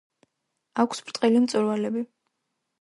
აქვს ბრტყელი მწვერვალები.